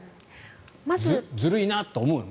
ずるいなと思うの？